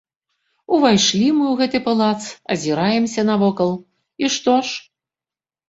Увайшлі мы ў гэты палац, азіраемся навокал, і што ж?